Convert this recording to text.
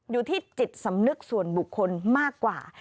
อยู่ที่จิตสำนึกส่วนบุคคลมากกว่า